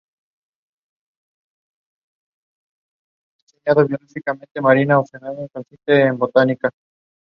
Todos estos factores desembocaron en la necesidad de un sistema ferroviario urbano.